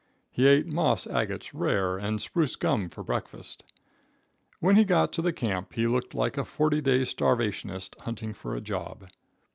He ate moss agates rare and spruce gum for breakfast. When he got to the camp he looked like a forty day starvationist hunting for a job.